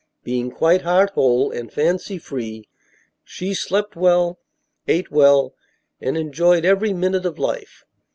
Being quite heart whole and fancy free, she slept well, ate well, and enjoyed every minute of life.